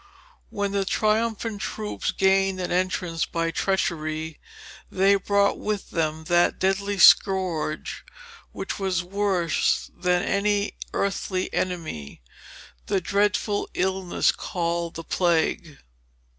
When the triumphant troops gained an entrance by treachery, they brought with them that deadly scourge which was worse than any earthly enemy, the dreadful illness called the plague.